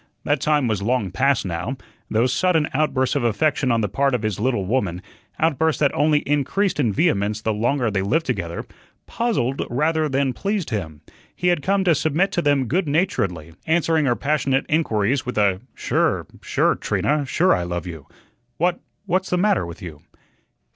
That time was long past now. Those sudden outbursts of affection on the part of his little woman, outbursts that only increased in vehemence the longer they lived together, puzzled rather than pleased him. He had come to submit to them good naturedly, answering her passionate inquiries with a "Sure, sure, Trina, sure I love you. What what's the matter with you?"